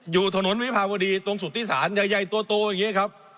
อยู่ถนนวิพาบุรดีตรงสุธิศาสตร์ใหญ่ตัวอย่างนี้ครับ